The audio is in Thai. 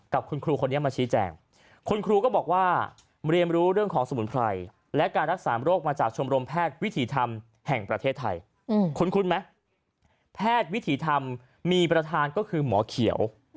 คุ้นไหมแพทย์วิถีธรรมมีประธานก็คือหมอเขียว